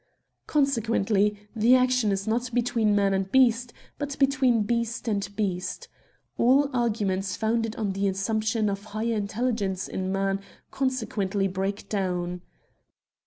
Consequently, the action is not between man and beast, but between beast and beast. All arguments founded on the assumption of higher intelligence in man consequently break down.